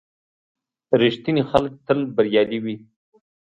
• رښتیني خلک تل بریالي وي.